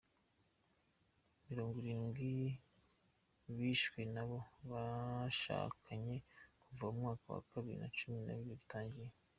Mirongwirindwi bishwe n’abo bashakanye kuva umwaka wa bibiri na cumi nakabiri utangiye